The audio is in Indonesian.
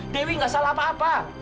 dewi gak salah apa apa